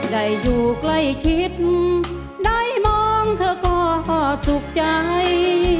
ได้อยู่ใกล้ชิดได้มองเธอก็สุขใจ